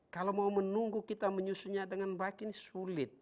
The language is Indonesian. kalau mau menunggu kita menyusunnya dengan baik ini sulit